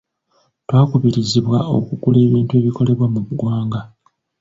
twakubirizibwa okugula ebintu ebikolebwa mu ggwanga.